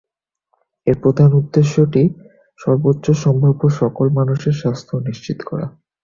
এর প্রধান উদ্দেশ্যটি "সর্বোচ্চ সম্ভাব্য সকল মানুষের স্বাস্থ্য নিশ্চিত করা"।